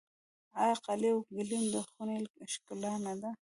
آیا قالي او ګلیم د خونې ښکلا نه ده؟